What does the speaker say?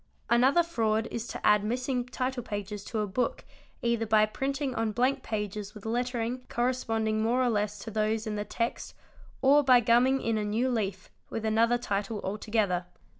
Another fraud is to add missing title pages to a book either by printing on blank pages with lettering corresponding more or less to those in the text or by gumming in a new leaf with another title altogether.